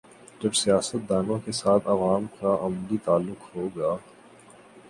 جب سیاست دانوں کے ساتھ عوام کا عملی تعلق ہو گا۔